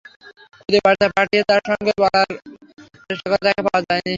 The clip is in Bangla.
খুদে বার্তা পাঠিয়ে তার সঙ্গে কথা বলার চেষ্টা করে তাঁকে পাওয়া যায়নি।